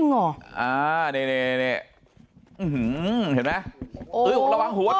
เนี่ยเห็นมะระวังหัวติ